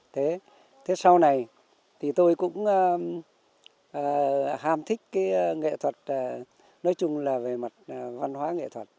thế sau này thì tôi cũng ham thích cái nghệ thuật nói chung là về mặt văn hoá